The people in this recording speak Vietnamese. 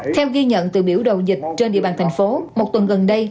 theo ghi nhận từ biểu đầu dịch trên địa bàn thành phố một tuần gần đây